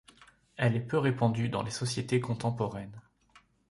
Elle est peu répandue dans les sociétés contemporaines.